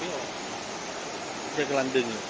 อีกอย่างกำลังดึง